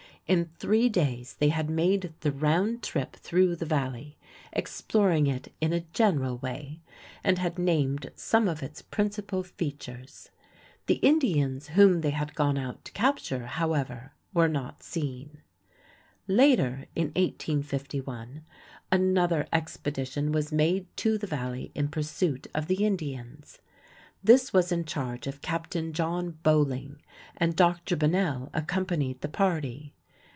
In three days they had made the round trip through the Valley, exploring it in a general way, and had named some of its principal features. The Indians whom they had gone out to capture, however, were not seen. Later, in 1851, another expedition was made to the Valley in pursuit of the Indians. This was in charge of Capt. John Boling, and Dr. Bunnell accompanied the party.